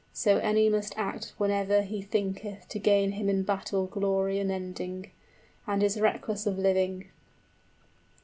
60 So any must act whenever he thinketh To gain him in battle glory unending, And is reckless of living.